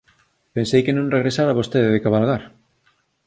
Pensei que non regresara vostede de cabalgar.